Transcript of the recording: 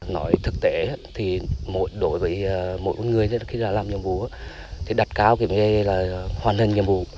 nói thực tế đối với mỗi người khi làm nhiệm vụ đặt cao hoàn hình nhiệm vụ